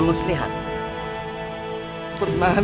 masih ada urusan